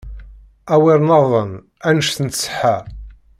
Awer naḍen, annect nṣeḥḥa!